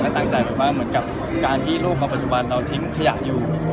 ตั้งใจแบบว่าเหมือนกับการที่ลูกมาปัจจุบันเราทิ้งขยะอยู่